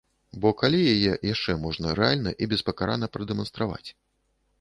Бо калі яе яшчэ можна рэальна і беспакарана прадэманстраваць?